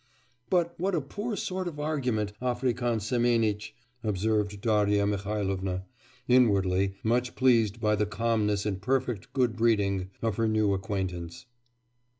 'But what a poor sort of argument, African Semenitch!' observed Darya Mihailovna, inwardly much pleased by the calmness and perfect good breeding of her new acquaintance.